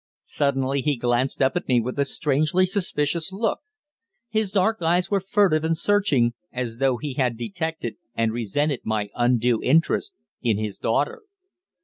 Suddenly he glanced up at me with a strangely suspicious look. His dark eyes were furtive and searching, as though he had detected and resented my undue interest in his daughter.